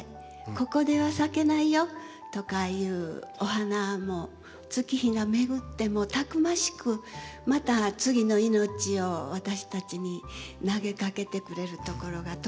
ここでは咲けないよとかいうお花も月日が巡ってもたくましくまた次の命を私たちに投げかけてくれるところがとっても感動です。